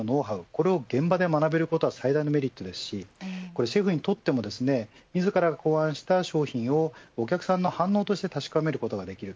これを現場で学べることは最大のメリットですしシェフにとっても自らが考案した商品をお客さんの反応として確かめることができる。